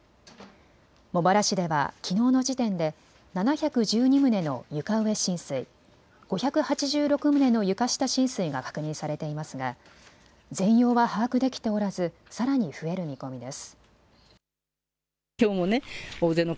茂原市ではきのうの時点で７１２棟の床上浸水、５８６棟の床下浸水が確認されていますが全容は把握できておらずさらに増える見込みです。